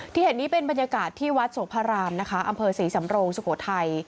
ที่เห็นนี่เป็นประอบนรับที่วัดศูนย์ภรรรมนะอัมเภษีสำโรงสุโขวไทย